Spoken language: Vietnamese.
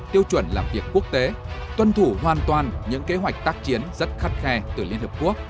tiêu chuẩn làm việc quốc tế tuân thủ hoàn toàn những kế hoạch tác chiến rất khắt khe từ liên hợp quốc